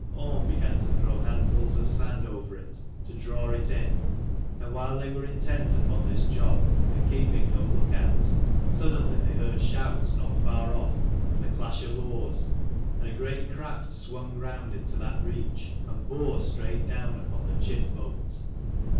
Orm began to throw handfuls of sand over it, to draw it in : and while they were intent upon this job and keeping no look out, suddenly they heard shouts not far off, and the clash of oars, and a great craft swung round into that reach and bore straight down upon the chip boat.